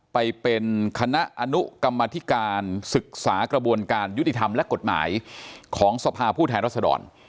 ไปเป็นคณะอนุกรรมธิการศึกษากระบวนการยุติธรรมและกฎหมายของสภาผู้แทนรัศดร